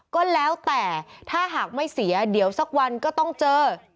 ก็แล้วแต่ถ้าหากไม่เสียเดี๋ยวสักวันก็ต้องเจอ